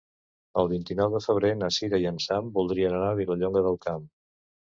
El vint-i-nou de febrer na Cira i en Sam voldrien anar a Vilallonga del Camp.